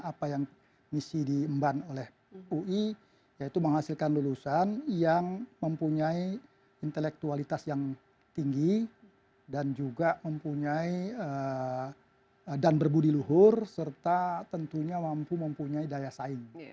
apa yang misi diemban oleh ui yaitu menghasilkan lulusan yang mempunyai intelektualitas yang tinggi dan juga mempunyai dan berbudi luhur serta tentunya mampu mempunyai daya saing